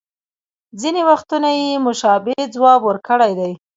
ځینې وختونه یې مشابه ځواب ورکړی دی